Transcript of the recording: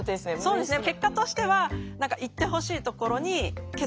そうですね。